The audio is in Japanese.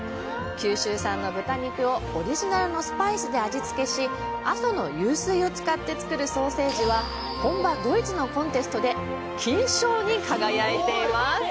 九州産の豚肉をオリジナルのスパイスで味付けし、阿蘇の湧水を使って作るソーセージは本場ドイツのコンテストで金賞に輝いています。